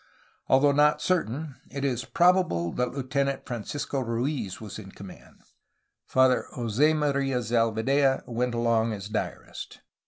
Although not certain, it is probable that Lieutenant Fran cisco Ruiz was in command. Father Jose Maria Zalvidea went along as diarist.